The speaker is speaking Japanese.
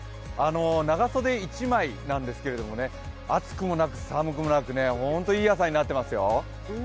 長袖１枚なんですけれどもね、暑くもなく寒くもなくホント、いい朝になってますよ。